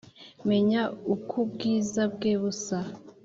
menya uk’ ubwiza bwe busa